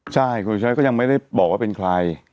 ใช่คุณชนะก็ยังไม่ได้บอกว่าเป็นใคร